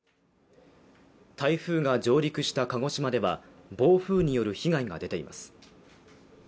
台風が上陸した鹿児島では暴風による被害が出ています。